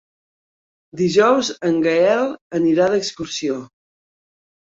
Dijous en Gaël anirà d'excursió.